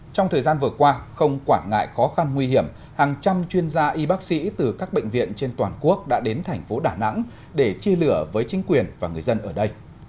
trong thời gian vừa qua không quản ngại khó khăn nguy hiểm hàng trăm chuyên gia y bác sĩ từ các bệnh viện trên toàn quốc đã đến thành phố đà nẵng để chia lửa với chính quyền và người dân ở đây